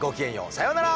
さようなら。